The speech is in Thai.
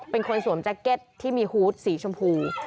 เป็นคนสวมแจ็คเก็ตที่มีฮูตสีชมพู